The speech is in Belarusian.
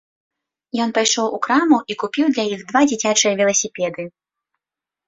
Ён пайшоў у краму і купіў для іх два дзіцячыя веласіпеды.